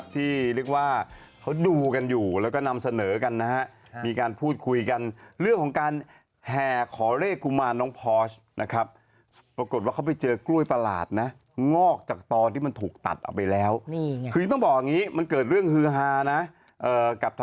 ถ้าไม่อยากให้สูบก็อย่าทำออกมาให้สูบ